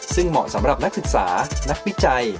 ซึ่งเหมาะสำหรับนักศึกษานักวิจัย